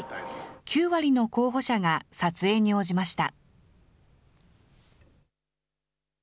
９割の候補者が撮影に応じました。